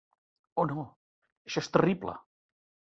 Oh, no, això és terrible!